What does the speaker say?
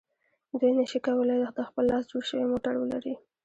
دوی نشي کولای د خپل لاس جوړ شوی موټر ولري.